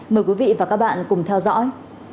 mời quý vị và các bạn cùng theo dõi